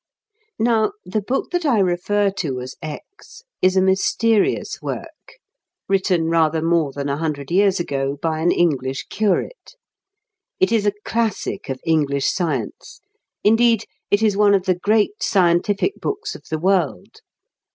Now, the book that I refer to as "X" is a mysterious work, written rather more than a hundred years ago by an English curate. It is a classic of English science; indeed, it is one of the great scientific books of the world.